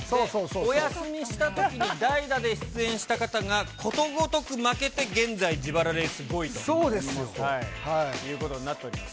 お休みしたときに代打で出演した方が、ことごとく負けて、そうですよ。いうことになっております。